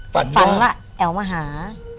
ฝันแล้วแอวมาหา